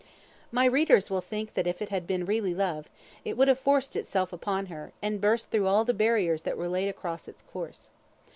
My readers will think that if it had been really love, it would have forced itself upon her, and burst through all the barriers that were laid across its course.